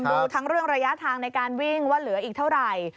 ดูทั้งเรื่องระยะทางในการวิ่งว่าเหลืออีกเท่าไหร่